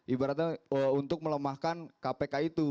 ibaratnya untuk melemahkan kpk itu